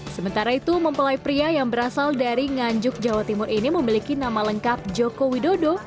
sementara itu mempelai pria yang berasal dari nganjuk jawa timur ini memiliki nama lengkap joko widodo